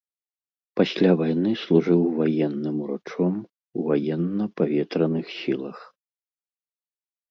Пасля вайны служыў ваенным урачом у ваенна-паветраных сілах.